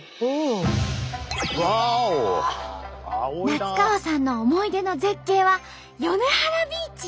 夏川さんの思い出の絶景は米原ビーチ！